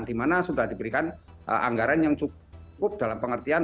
di mana sudah diberikan anggaran yang cukup dalam pengertian